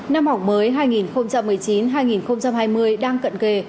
năm học mới hai nghìn một mươi chín hai nghìn hai mươi đang cận kề